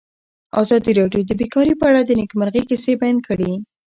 ازادي راډیو د بیکاري په اړه د نېکمرغۍ کیسې بیان کړې.